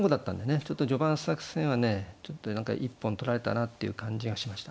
ちょっと序盤作戦はねちょっと何か一本取られたなっていう感じがしました。